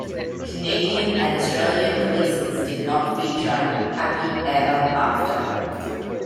Canadian and Australian releases did not feature "Happy Ever After".